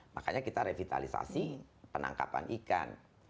makanya kita revitalisasi penangkapan ikan